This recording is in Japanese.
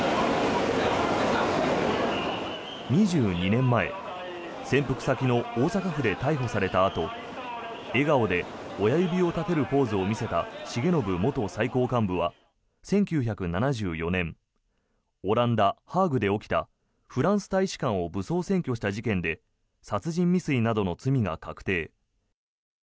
２２年前潜伏先の大阪府で逮捕されたあと笑顔で親指を見せるポーズを見せた重信元最高幹部は１９７４年オランダ・ハーグで起きたフランス大使館を武装占拠した事件で殺人未遂などの罪が確定。